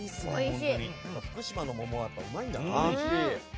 福島の桃はうまいんだな。